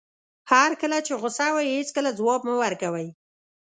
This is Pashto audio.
هر کله چې غوسه وئ هېڅکله ځواب مه ورکوئ.